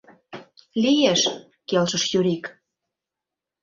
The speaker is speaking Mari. — Лиеш, — келшыш Юрик.